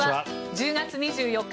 １０月２４日